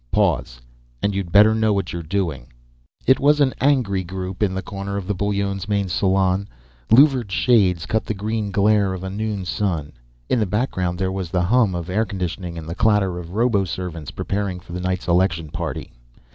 "_ Pause. "And you'd better know what you're doing!" It was an angry group in a corner of the Bullones' main salon. Louvered shades cut the green glare of a noon sun. In the background there was the hum of air conditioning and the clatter of roboservants preparing for the night's election party.